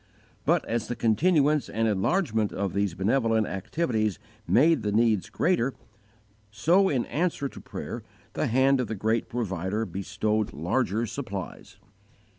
But, as the continuance and enlargement of these benevolent activities made the needs greater, so, in answer to prayer, the Hand of the great Provider bestowed larger supplies.